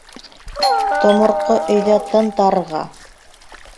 Томорҡо өйҙә тын тарыға.